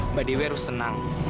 mbak dewi harus senang